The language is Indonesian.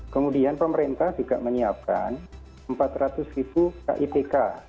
kemudian pemerintah juga menyiapkan rp empat ratus kitk